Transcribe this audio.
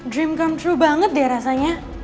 dream come true banget deh rasanya